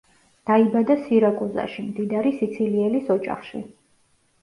დაიბადა სირაკუზაში მდიდარი სიცილიელის ოჯახში.